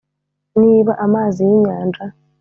niba amazi y'inyanja?